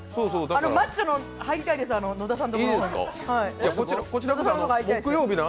マッチョの入りたいです、野田さんのところの。